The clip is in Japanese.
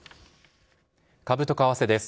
株と為替です。